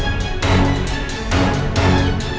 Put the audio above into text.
aku akan mencari makanan yang lebih enak